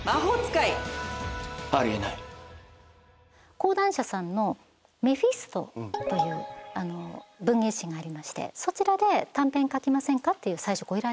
講談社さんの『メフィスト』という文芸誌がありましてそちらで短編書きませんかっていう最初ご依頼だったんです。